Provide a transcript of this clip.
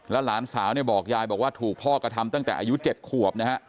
แล้วหลานสาวบอกยายว่าถูกพ่อกระทำตั้งแต่อายุ๗ขวบนะครับ